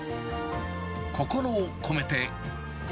心を込めて。